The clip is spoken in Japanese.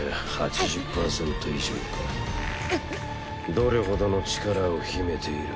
どれほどの力を秘めている？